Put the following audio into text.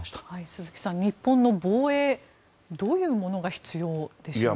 鈴木さん、日本の防衛どういうものが必要でしょうか。